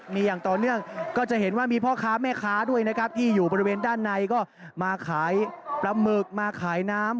มีอย่างต่อเนื่องก็จะเห็นว่ามีพ่อค้าแม่ค้าด้วยนะครับที่อยู่บริเวณด้านในก็มาขายปลาหมึกมาขายน้ำ